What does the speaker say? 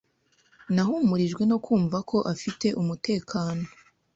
Nahumurijwe no kumva ko afite umutekano.